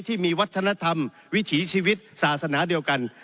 ที่มีวัฒนธรรมวิถีชีวิตศาสนาเดียวกัน